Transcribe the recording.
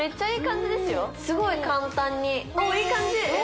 ・すごい簡単におおいい感じ